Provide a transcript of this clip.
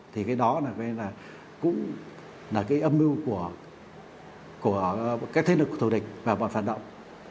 thì cái đó cũng là cái âm mưu của các thế lực thủ địch và bọn phản động